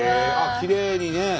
きれいにね。